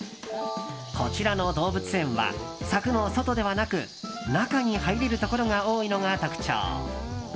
こちらの動物園は柵の外ではなく中に入れるところが多いのが特徴。